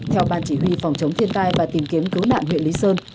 theo ban chỉ huy phòng chống thiên tai và tìm kiếm cứu nạn huyện lý sơn